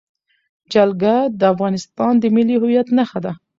جلګه د افغانستان د ملي هویت نښه ده.